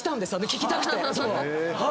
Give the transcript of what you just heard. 聞きたくて。